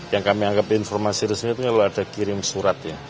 yang kami anggap informasi resmi itu kalau ada kirim surat ya